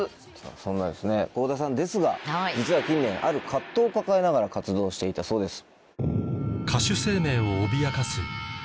そんな倖田さんですが実は近年ある藤を抱えながら活動していたそうです。